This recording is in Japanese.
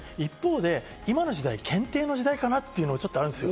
一方で今の時代、検定の時代かな？っていうのもある。